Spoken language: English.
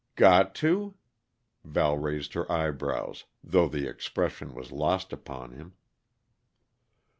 "Got to?" Val raised her eyebrows, though the expression was lost upon him.